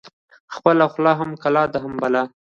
خپله خوله هم کلا ده، هم بلا